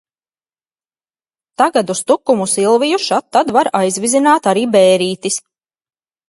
Tagad uz Tukumu Silviju šad tad var aizvizināt arī Bērītis.